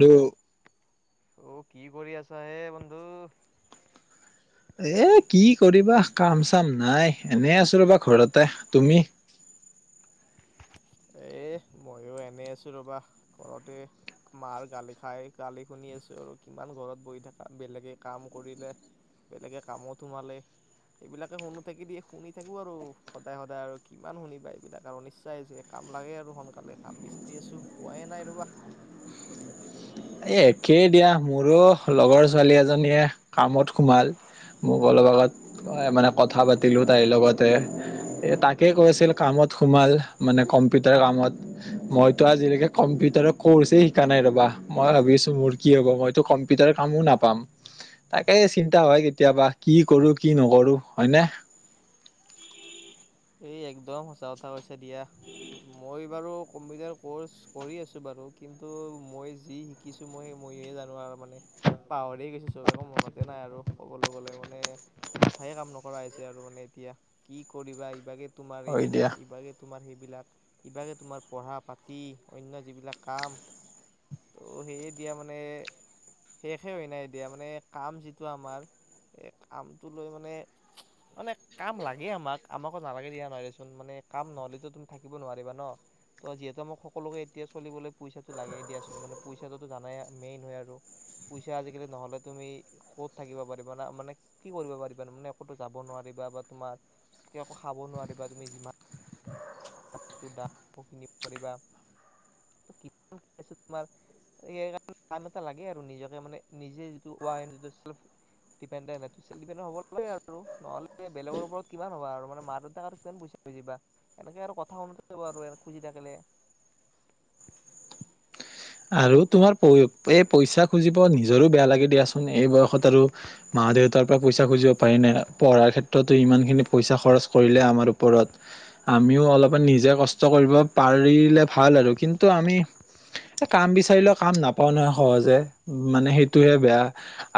দেই অ কি কৰি আছা হে বন্ধু? এ কি কৰিবা কাম চাম নাই এনে আছো ৰবা ঘৰতে তুমি? এ মইো এনে আছো ৰবা ঘৰতে মাৰ গালি খাই গালি শুনি আছো আৰু কিমান ঘৰত বহি থাকা বেলেগে কাম কৰিলে বেলেগে কামত সোমালে সেইবিলাকে শুনো থাকি দিয় শুনি থাকো আৰু সদায় সদায় আৰু কিমান শুনিবা এইবিলাক আৰু অনিচাই যায়। কাম লাগে আৰু সোনকালে কাম বিচাৰি আছো পোৱাই নাই ৰবা। এই একেই দিয়া মোৰো লগৰ ছোৱালী এজনীয়ে কামত সোমাল মোক অলপ আগত মানে কথা পাতিলো তাইৰ লগতে এই তাকে কৈছিল কামত সোমাল মানে কম্পিউটাৰ কামত মইতো আজিলৈকে কম্পিউটাৰৰ ক'ৰ্ছেই শিকা নাই ৰ'বা। মই ভাবিছোঁ মোৰ কি হ'ব মইতো কম্পিউটাৰ কামো নাপাম, তাকে চিন্তা হয় কেতিয়াবা কি কৰোঁ কি নকৰোঁ হয়নে? এই একদম সঁচা কথা কৈছে দিয়া, মই বাৰু কম্পিউটাৰ কৰ্চ কৰি আছোঁ বাৰু কিন্তু মই যি শিকিছো মই ময়হে জানো আৰু মানে পাহৰি গৈছো চব একো মনতে নাই আৰু ক'বলৈ গ'লে মানে মাথাই কাম নকৰা হৈছে আৰু মানে এতিয়া কি কৰিবা এত বাকী তোমাৰ হয় দিয়া এইবিলাক ইবাগে তোমাৰ সেইবিলাক কিবাকে তোমাৰ পঢ়া পাতি অন্য যিবিলাক কাম ত সেয়ে দিয়া মানে শেষে হয় নাই এতিয়া মানে কাম যিটো আমাৰ কামটো লৈ মানে মানে কাম মানে লাগে আমাক আমাক নালাগে দিয়া নহয়চোন মানে কাম নহ'লেো তুমি থাকিব নোৱাৰিবা ন ত যিহেতু মোক সকলোকে এতিয়া চলিবলৈ পইচাটো লাগে দিয়াচোন মানে পইচাটোতো জানাই মেইন হয় আৰু পইচা আজিকালি নহলে তুমি ক'ত থাকিব পাৰিবা না মানে কি কৰিব পাৰিবা মানে একতো যাব নোৱাৰিবা বা তোমাৰ ত একো খাব নোৱাৰিবা তুমি যিমান [inaudible] [unintelligible] নিজে যিটো [unintelligible] সেলফডেপন্দেন্ত হেতু সেলফডিপেন্দেন্ত হব লাগে আৰু নহলে বেলেগৰ ওপৰত কিমান হ'বা আৰু মানে মা দেউতাক আৰু কিমান পইচা বজিবা এনেকে আৰু কথা শুনি থাকিবা এনেকে খুজি থাকিলে। আৰু তোমাৰ পই এই পইচা খুজিব নিজৰো বেয়া লাগে দিয়াচোন এই বয়সত আৰু মা দেউতাৰ পৰা পইচা খুজিব পাৰি নে পঢ়াৰ ক্ষেত্ৰতে ইমানখিনি পইচা খৰচ কৰিলে আমাৰ ওপৰত আমিও অলপমান নিজে কষ্ট কৰিব পাৰিলে ভাল আৰু কিন্তু আমি কাম বিচাৰিলেও কাম নাপাও নহয় সহজে মানে সেইটোহে বেয়া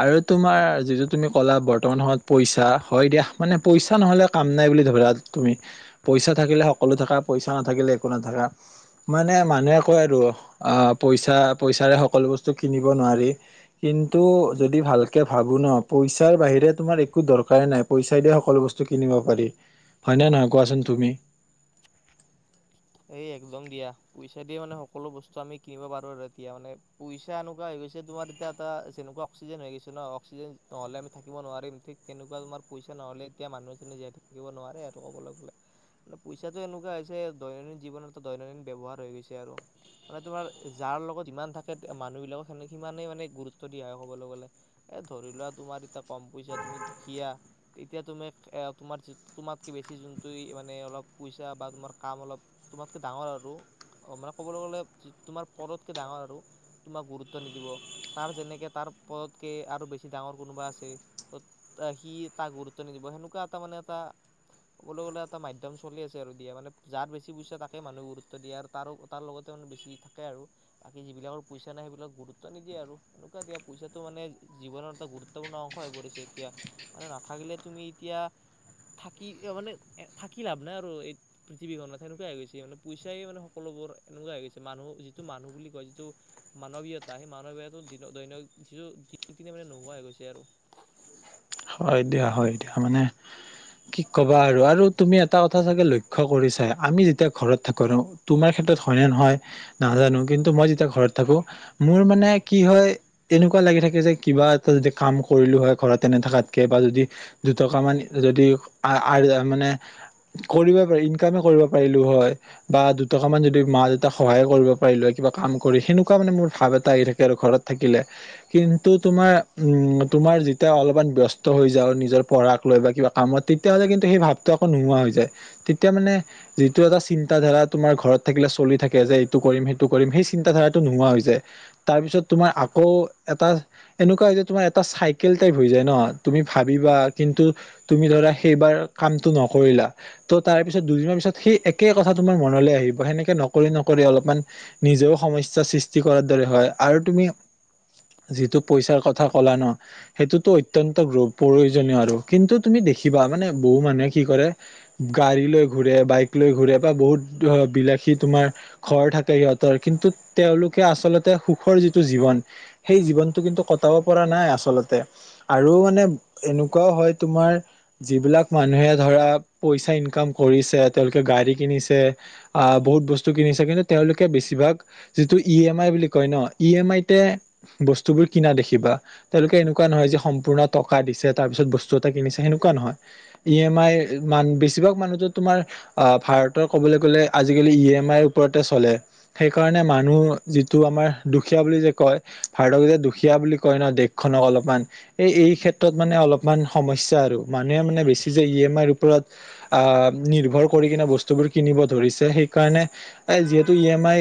আৰু তোমাৰ যিটো তুমি কলা বৰ্তমান সময়ত পইচা হয় দিয়া মানে পইচা নহলে কাম নাই বুলি ধৰি তুমি পইচা থাকিলে সকলো থাকা পইচা নাথাকিলে একো নাথাকা মানে মানুহে কয় আৰু আহ পইচা পইচাৰে সকলো বস্তু কিনিব নোৱাৰি কিন্তু যদি ভালকে ভাবো ন পইচাৰ বাহিৰে তোমাৰ একো দৰকাৰ নাই পইচা দিয়ে সকলো বস্তু কিনিব পাৰি হয় ন নহয় কোৱাচোন তুমি? এই একদম দিয়া পইচা দিয়ে মানে সকলো বস্তু আমি কিনিব পাৰো আৰু এতিয়া মানে পইচা এনেকুৱা হৈ গৈছে তোমাৰ এতিয়া এটা যেনেকুৱা অক্সিজেন হৈ গৈছে ন অক্সিজেন নহলে আমি থাকিব নোৱাৰিম ঠিক তেনেকুৱা তমাৰ পইচা নহলে এতিয়া মানুহ জনে জীয়াই থাকিব নোৱাৰে আৰু কবলৈ গ'লে মানে পইচাটো এনেকুৱা হৈছে দৈনন্দিন জীৱনত এটা দৈনন্দিন ব্যৱহাৰ হৈ গৈছে আৰু মানে তোমাৰ যাৰ লগত যিমান থাকে মানুহবিলাকক সেনেকে সিমানেই মানে গুৰুত্ব দিয়া হয় ক'বলৈ গ'লে এ ধৰি লোৱা তোমাৰ এতিয়া কম পইচা তুমি দুখীয়া তেতিয়া তুমি তোমাৰ তোমাতকৈ বেছি যোনটো মানে অলপ পইচা বা তোমাৰ কাম অলপ তোমাতকে ডাঙৰ আৰু অ', মানে ক'বলৈ গ'লে তোমাৰ পদতকে ডাঙৰ আৰু তোমাক গুৰুত্ব নিদিব তাৰ যেনেকে তাৰ পদতকে আৰু বেছি ডাঙৰ কোনোবা আছে ত সি তাক গুৰুত্ব নিদিব সেনেকুৱা এটা মানে এটা ক'বলৈ গ'লে এটা মাধ্যম চলি আছে আৰু দিয়া মানে যাত বেছি পইচা তাকে মানুহে গুৰুত্ব দিয়ে আৰু তাৰো তাৰ লগতে মানে বেছি থাকে আৰু বাকী যিবিলাকৰ পইচা নাই সেইবিলাক গুৰুত্ব নিদিয়ে আৰু এনেকুৱা এতিয়য়া পইচাটো মানে জীৱনৰ এটা গুৰুত্বপূৰ্ণ অংশ হৈ পৰিছে এতিয়া মানে নাথাকিলে তুমি এতিয়া থাকি মানে থাকি লাভ নাই আৰু এই পৃথিৱীখনত সেনেকুৱা গৈছে মানে পইচাই মানে সকলোবোৰ এনেকুৱা হৈ গৈছে মানুহ যিটো মানুহ বুলি কয় যিটো মানৱীয়তা সেই মানৱীয়তা দৈনিক যিটো দিনে মানে নোহোৱা হৈ গৈছে আৰু। হয় দিয়া হয় দিয়া মানে কি কবা আৰু আৰু তুমি এটা কথা চাগে লক্ষ্য কৰিছা আমি যেতিয়া ঘৰত থাকো আৰু তোমাৰ ক্ষেত্ৰত হয়নে নহয় নাজানো কিন্তু মই যেতিয়া ঘৰত থাকো মোৰ মানে কি হয় এনেকুৱা লাগি থাকে যে কিবা এটা যদি কাম কৰিলো হয় ঘৰত তেনে থাকাত কে বা যদি দুটকা মান যদি মানে কৰিব পাৰ ইনকামে কৰিব পাৰিলো হয় বা দুটকা মান যদি মা দেউতাক সহায়ে কৰিব পাৰিলো হয় কিবা কাম কৰি সেনেকুৱা মানে মোৰ ভাৱ এটা আহি থাকে আৰু ঘৰত থাকিলে কিন্তু তোমাৰ উম তোমাৰ যেতিয়া অলপমান ব্যস্ত হৈ যায় আৰু নিজৰ পঢ়াক লৈ বা কিবা কামত তেতিয়াহলে কিন্তু সেই ভাৱটো আকৌ নোহোৱা হৈ যায় তেতিয়া মানে যিটো এটা চিন্তাধাৰা তোমাৰ ঘৰত থাকিলে চলি থাকে যে এইটো কৰিম সেইটো কৰিম সেই চিন্তাধাৰাটো নোহোৱা হৈ যায় তাৰ পিছত তোমাৰ আকৌ এটা এনেকুৱা হৈ যে তোমাৰ এটা চাইকেল টাইপ হৈ যায় ন। তুমি ভাবিবা কিন্তু তুমি ধৰা সেইবাৰ কামটো নকৰিলা ত' তাৰ পিছত দুদিনৰ পিছত সেই একে কথা তোমাৰ মনলৈ আহিব সেনেকে নকৰি নকৰি অলপমান নিজেও সমস্য সৃষ্টি কৰাৰ দৰে হয় আৰু তুমি যিটো পইচাৰ কথা কলা ন সেইটোতো অতৈ- ন্ত প্ৰয়োজনীয় আৰু কিন্তু তুমি দেখিবা মানে বহু মানুহে কি কৰে গাড়ী লৈ ঘুৰে বাইক লৈ ঘুৰে বা বহুত বিলাসী তোমাৰ ঘৰ থাকে সিহঁতৰ কিন্তু তেওঁলোকে আচলতে সুখৰ যিটো জীৱন সেই জীৱনটো কিন্তু কটাব পৰা নাই আচলতে। আৰু মানে এনেকুৱাও হয় তোমাৰ যিবিলাক মানুহে ধৰা পইচা ইনকাম কৰিছে তেওঁলোকে গাড়ী কিনিছে আহ বহুত বস্তু কিনিছে কিন্তু তেওঁলোকে বেছিভাগ যিটো ই এম আই বুলি কয় ন ই এম আইতে বস্তুবোৰ কিনা দেখিবা তেওঁলোকে এনেকুৱা নহয় যে পুণ টকা দিছে তাৰ পিছত বস্তু এটা কিনিছে সেনেকুৱা নহয় ই এম আই মান বেছিভাগ মানুহ তোমাৰ আহ ভাৰতৰ কবলৈ গলে আজিকালি ই এম আইৰ ওপৰতে চলে সেইকাৰণে মানুহ যিটো আমাৰ দুখীয়া বুলি যে কয় ভাৰতক যেতি দুখীয়া বুলি কয় ন দেশখনক অলপমান এই এই ক্ষেত্ৰত মানে অলপমান সমস্যা আৰু মানুহে মানে বেছি যে ই এম আইৰ ওপৰত নিৰ্ভৰ কৰি কিনে বস্তুবোৰ কিনিব ধৰিছে সেইকাৰণে এই যিহেতু ই এম আই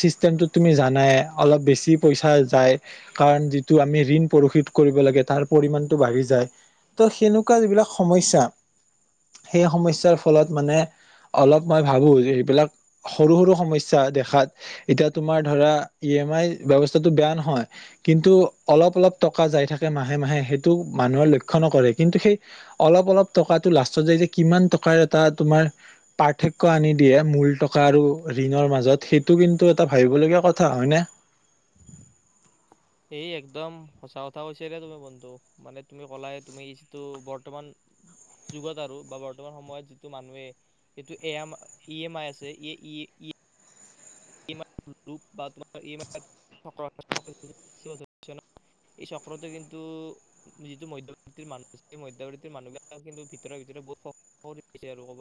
চিষ্টেমটোত তুমি জানাই অলপ বেছি পইচা যায় কাৰণ যিটো আমি ঋণ প্ৰশোধ কৰিব লাগে। তাৰ পৰিমণটো বাঢ়ি যায় ত সেনেকুৱা যিবিলাক সমস্যা সেই সমস্যৰ ফলত মানে অলপ মই ভাবো যে সেইবিলাক সৰু সৰু সমস্য‌ দেখাত এতিয়া তোমাৰ ধৰা ই এম আই ব্ৱস্থাটো বেয়া নহয় কিন্তু অলপ অলপ টকা যাই থাকে মাহে মাহে সেইটো মানুহে লক্ষ্য নকৰে কিন্তু সেই অলপ অলপ টকাটো লাষ্টত য যে কিমান টকাৰ এটা তোমাৰ পাৰ্থক্য আনি দিয়ে মূল টকা আৰু ঋণৰ মাজত সেইটো কিন্তু এটা ভাবিবলগীয়া কথা হয় ন? এই একদম সঁচা কথা কৈ হৈছে তুমি বন্ধু মানে তুমি ক'লা তুমি যিটো বৰ্তমান যুগত আৰু বা বৰ্তমান সময়ত যিটো মানুহে এইটো এ ই এম আই আছে ই, ই, ই [unintelligible] এই চক্ৰটো কিন্তু যিটো মধ্য়বৰ্ত মানুহ আছে মধ্য়বৰ্তিৰ মানুহ বিলাক কিন্তু ভিতৰে ভিতৰে বহুত কৰি আৰুব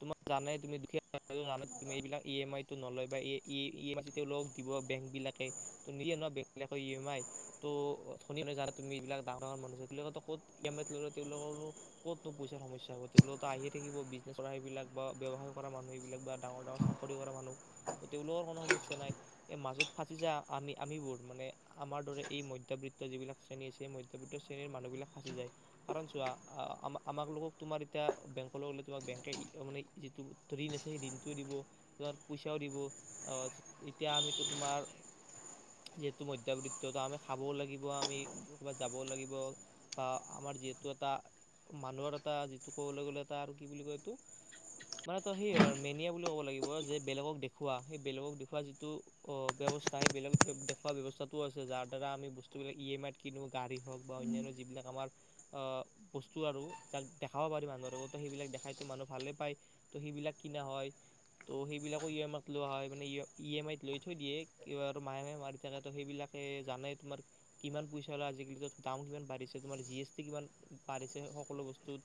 তোমাক জানে তুমি দুখীয়াুম এইবিলাক ই এম আইটো নলয় বা ই ই-ই এমই [unintelligible] ক দিব বেংক বিলাকে ত নিদিয়ে ন বেংক বিলাকৰ ই এম আই ত [unintelligible] ডাঙৰ ডাঙৰ [unintelligible] ক'ত ই এম আই ললে তেওঁলোকৰো ক'তনো পইচাৰ সমস্যা হব তেওঁলো আহিয়ে থাকিব বিজনেছ কৰা সেইবিলাক বা ব্যৱসায় কৰা মানুহ সেইবিলাক বা ডাঙৰ ডাঙৰ চাকৰি কৰা মানুহ। ত তেওঁলোকৰ কোনো সমস্যা নাই এই মাজত ফাঁচি যায় আমি আমিবোৰ মানে আমাৰ দৰে এই মধ্যবৃত্ত যিবিলাক শ্ৰেণী আছে মধ্যবৃত্ত শ্ৰেণীৰ মানুহবিলাক ফাঁচি যায় কাৰণ চোৱা আ-আমাক লোকক তোমাৰ এতিয়া বেংকৰলৈ গ'লে তোমাক বেংকে মানে যিটো ঋণ আছে সেই ঋণটোও দিব তোমাৰ পইচাও দিব অ', এতিয়া আমিতো তোমাৰ যিহেতু মধ্যবৃও আমি খাবও লাগিব আমি কবাত যাবও লাগিব বা আমাৰ যিহেতু এটা মানুহৰ এটা যিটো কবলৈ গলে এটা আৰু কি বুলি কয় এইটো মানে এটা সেই মেনিয়া বুলি কব লাগিব যে বেলেগক দে দেখুওা সেই বেলেগক দেখুওৱা যিটো অ-ব্যৱস্থা সেই বেলেগক দেখুওৱা ব্যৱস্থাতটোও আছে যাৰ দ্বাৰা আমি বস্তুবিলাক ই এম আইত কিনো গাড়ী হওঁক বা অন্যান্য যিবিলাক আমাৰ বস্তু আৰু যাক দেখাব পাৰি মানুহৰো ত সেইবিলাক দেখাইতো মানুহ ভালেই পায় ত‌ সেইবিলাক কিনা হয় ত সেইবিলাকো ই এম আই ত লোৱা হয় মানে ই এম আইত লৈ থৈ দিয়ে মাহে মে মাৰি থাকে সেইবিলাকে জানে তোমাৰ কিমান পইচা হল আজিকালি দাম কিমান বাঢ়িছে তোমাৰ জি এছ টি কিমান বাঢ়িছে সকলো বস্তুত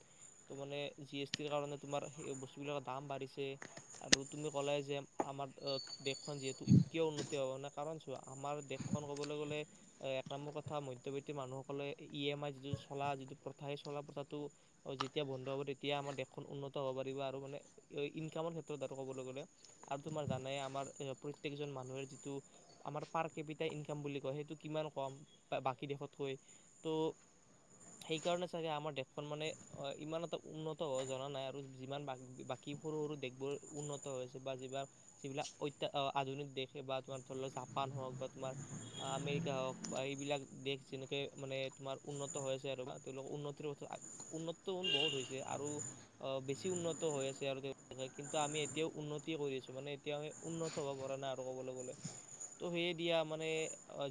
ত মানে জি এছ টিৰ কাৰণে তোমাৰ সেই বস্তু বিলাকৰ দাম বাঢ়িছে আৰু তুমি ক'লে যে আমাৰ দেশখন যিহেতু কিয় উন্নতি হ'ব না কাৰণ চোৱা আমাৰ দেশখন ক'বলৈ গ'লে এক নম্বৰ কথা মধ্যবৃও মানুহসকলে ই এম আই যিটো চলা যিটো প্ৰথা সেই চলা প্ৰথাটো যেতিয়া বন্ধ হ'ব তেতিয়া আমাৰ দেশখন উন্নত হ'ব পাৰিব আৰু মানে ইনকামৰ ক্ষেত্ৰত আৰু কবলৈ গ'লে আৰু তোমাৰ জানে আমাৰ প্ৰত্যেকজন মানুহৰ যিটো আমাৰ পাৰ্কে বিটা ইনকাম বুলি কয় সেইটো কিমান কম বাকী দেশতকৈ ত সেইকাৰণে চাগে আমাৰ দেশখন মানে ইমান এটা উন্নত হব জনা নাই আৰু যিমান বাকী সৰু সৰু দেশবোৰ উন্নত হৈ আছে। বা যিবাৰ-যিবিলাক অত্য-আধুনিক দেশে বা তোমাৰ ধৰি লওক জাপান হওক বা তোমাৰ আমেৰিকা হওক বা এইবিলাক দেশ যেনেকে মানে তোমাৰ উন্নত হৈ আছে আৰু বা তেওঁলোকৰ উন্নতিৰ পথত উন্নত বহুত হৈছে আৰু আহ বেছি উন্নত হৈ আছে আৰু তেওঁলোকে কিন্তু আমি এতিয়াও উন্ন উন্নতি কৰি আছো মানে এতিয়া আমি উন্নত হব পৰা নাই আৰু কবলৈ গলে ত' সেয়ে দিয়া মানে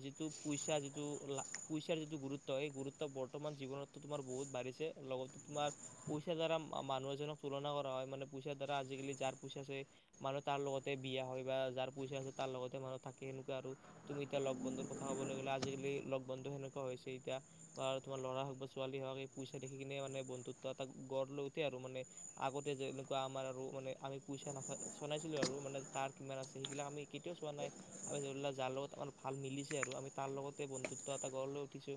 যিটো পইচা যিটো লা-পইচাৰ যিটো গুৰুত্ব সেই গুৰুত্ব বৰ্তমান জীৱনটো তোমাৰ বহুত বাঢ়িছে লগতে তোমাৰ পইচাৰ দ্বাৰা মানুহ এজনক তুলনা কৰা হয় মানে পইচাৰ দ্বাৰা আজিকালি যাৰ পইচা আছে মানুহে তাৰ লগতে বিয়া হয় বা যাৰ পইচা আছে তাৰ লগতে মানুহ থাকে সেনেকুৱা আৰু তুমি এতিয়া লগ বন্ধুৰ কথা কবলৈ গ'লে আজিকালি লগ বন্ধু সেনেকুৱা হৈছে এতিয়া বা তোমাৰ লৰা হওক বা ছোৱালী হওক এই পইচা দেখি কিনে মানে বন্ধুত্ব এটা গঢ় লওতে আৰু মানে আগতে যেনেকুৱা আমাৰ আৰু মানে আমি পইচা নাথা চোৱা নাছিলো আৰু মানে কাৰ কিমান আছে সেইবিলাক আমি কেতিয়াও চোৱা নাই আমি ধৰি যাৰ লগত আমাৰ ভাল মিলিছে আৰু আমি তাৰ লগতে বন্ধুত্ব এটা গড় লৈ উঠিছো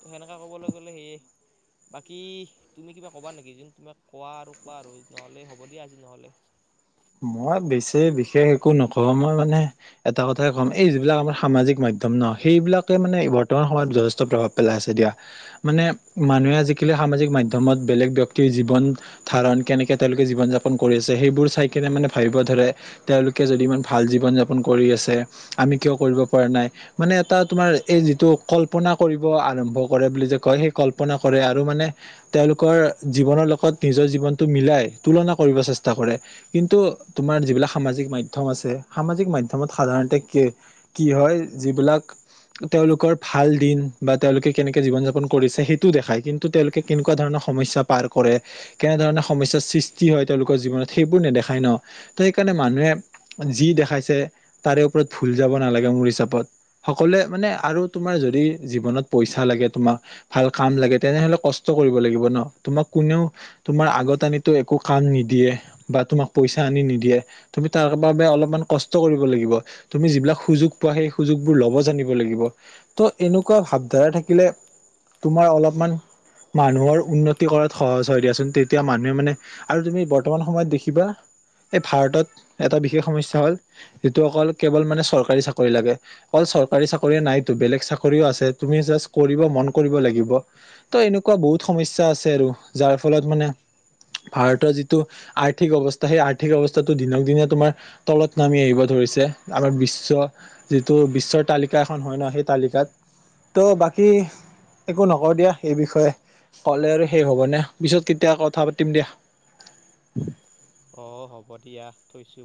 ত সেনেকে কবলৈ গ'লে সেয়ে বাকী তুমি কিবা কবা নেকি যোন তুমাক কোৱা আৰু কোৱা আৰু নহলে হ'ব দিয়া আজি নহলে। মই বেছি বিশেষ একো নকওঁ মই মানে এটা কথাই কম এই যিবিলাক আমাৰ সামাজিক মাধ্যম ন' সেইবিলাকে মানে বৰ্তমান সময়ত যথেষ্ট প্ৰভাৱ পেলাই আছে দিয়া। মানে মানুহে আজিকালি সামাজিক মাধ্যমত বেলেগ ব্যক্তিৰ জীৱন ধাৰণ কেনেকে তেওঁলোকে জীৱন যাপন কৰি আছে সেইবোৰ চাই কেনে মানে ভাবিব ধৰে তেওঁলোকে যদি ইমান ভাল জীৱন যাপন কৰি আছে আমি কিয় কৰিব পৰা নাই মানে এটা তোমাৰ এই যিটো কল্পনা কৰিব আৰম্ভ কৰে বুলি যে কয় সেই কল্পনা কৰে আৰু মানে তেওঁলোকৰ জীৱনৰ লগত নিজৰ জীৱনটো মিলাই তুলনা কৰিব চেষ্টা কৰে। কিন্তু তোমাৰ যিবিলাক সামাজিক মাধ্যম আছে সামাজিক মাধ্যমত সাধাৰণতে কি কি হয় যিবিলাক তেওঁলোকৰ ভাল দিন বা তেওঁলোকে কেনেকে জীৱন যাপন কৰিছে সেইটো দেখায় কিন্তু তেওঁলোকে কেনেকুৱা ধৰণৰ সমস্যা পাৰ কৰে কেনে ধৰণে সমস্যাৰ সৃষ্টি হয় তেওঁলোকৰ জীৱনত সেইবোৰ নেদেখা ই ন ত সেইকাৰণে মানুহে যি দেখাইছে তাৰে ওপৰত ভুল যাব নালাগে মোৰ হিচাপত সকলোৱে মানে আৰু তোমাৰ যদি জীৱনত পইচা লাগে তোমাক ভাল কাম লাগে তেনেহলে কষ্ট কৰিব লাগিব ন তোমাক কোনেও তোমাৰ আগত আনি একো কাম নিদিয়ে বা তোমাক পইচা আনি নিদিয়ে তুমি তাৰ বাবে অলপমান কষ্ট কৰিব লাগিব তুমি যিবিলাক সুযোগ পোৱা সেই সুযোগবোৰ ল'ব জানিব লাগিব ত' এনেকুৱা ভাৱধাৰা থাকিলে তোমাৰ অলপমান মানুহৰ উন্নতি কৰাত সহজ হয় দিয়াচোন তেতিয়া মানুহে মানে আৰু তুমি বৰ্তমান সময়ত দেখিবা এই ভাৰতত এটা বিশেষ সমস্যা হ'ল যিটো অকল কেৱল মানে চৰকাৰী চাকৰি লাগে অকল চৰকাৰী চাকৰিই নাইতো বেলেগ চাকৰিও আছে তুমি জাষ্ট কৰিব মন কৰিব লাগিব ত' এনেকুৱা বহুত সমস্যা আছে আৰু যাৰ ফলত মানে ভাৰতৰ যিটো আৰ্থিক অৱ ত সেই আৰ্থিক অৱস্থাটো দিনক দিনে তোমাৰ তলত নামি আহিব ধৰিছে আমাৰ বিশ্ব যিটো বিশ্বৰ তালিকা এখন হয় ন সেই তালিকাত ত' বাকী একো নকওঁ দিয়া এইে বিষয়ে ক'লে আৰু শেষ হ'বনে পিছত কেতিয়া কথা পাতিম দিয়া। আহ হ'ব দিয়া থৈছো।